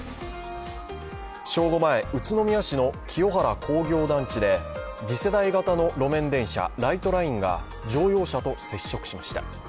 正午前、宇都宮市の清原工業団地で次世代型の路面電車ライトラインが乗用車と接触しました。